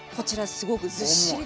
すごくずっしりと。